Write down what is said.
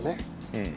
うん。